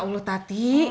masya allah tati